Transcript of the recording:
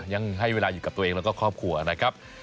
ยังให้เวลาอยู่กับตัวเองแล้วก็ครอบครัวนะครับ